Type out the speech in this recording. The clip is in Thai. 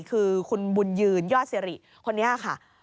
คือคุณบุญยืนยอดสิริคนนี้ค่ะ